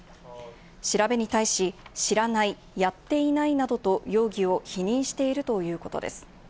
調べに対し、知らない、やっていないなどと容疑を否認しているということです。